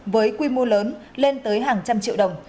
với quy mô lớn lên tới hàng trăm triệu đồng